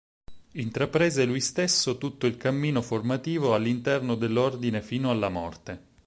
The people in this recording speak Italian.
Intraprese lui stesso tutto il cammino formativo all'interno dell'ordine fino alla morte.